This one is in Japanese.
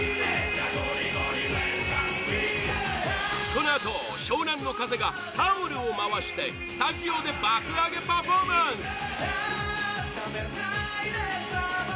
このあと、湘南乃風がタオルを回してスタジオで爆アゲパフォーマンス！